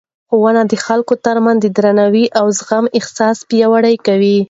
ښوونه د خلکو ترمنځ د درناوي او زغم احساس پیاوړی کوي.